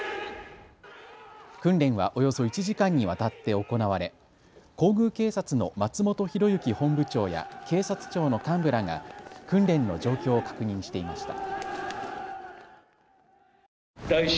訓練はおよそ１時間にわたって行われ皇宮警察の松本裕之本部長や警察庁の幹部らが訓練の状況を確認していました。